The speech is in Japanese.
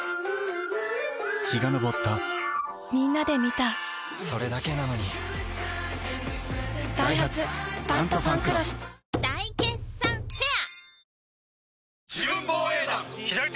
陽が昇ったみんなで観たそれだけなのにダイハツ「タントファンクロス」大決算フェア